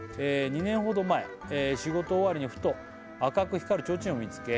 「２年ほど前仕事終わりにふと赤く光るちょうちんを見つけ」